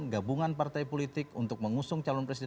gabungan partai politik untuk mengusung calon presiden